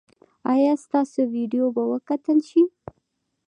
ایا ستاسو ویډیو به وکتل شي؟